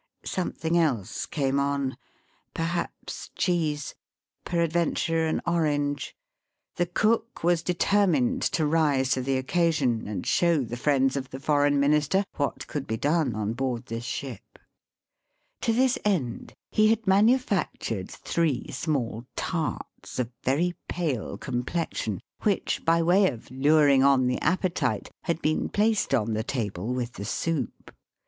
Something else came on — perhaps cheese, peradventure an orange. The cook was de termined to rise to the occasion and show the Digitized by VjOOQIC BY SEA AND LAND TO KIOTO. 45 friends of the Foreign Minister what could be done on board this ship. To this end he had manufactured three small tarts, of very pale complexion, which, by way of luring on the appetite, had been placed on the table with the soup.